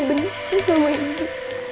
akhirnya aku benci sama ibu